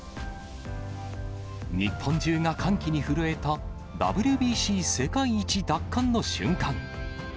日本中が歓喜に震えたＷＢＣ世界一奪還の瞬間。